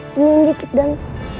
senyum dikit dong